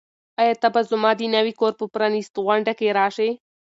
آیا ته به زما د نوي کور په پرانیستغونډه کې راشې؟